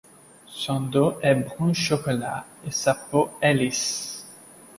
Son dos est brun chocolat et sa peau est lisse.